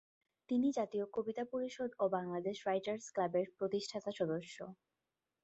তিনি জাতীয় কবিতা পরিষদ ও বাংলাদেশ রাইটার্স ক্লাব-এর প্রতিষ্ঠাতা সদস্য।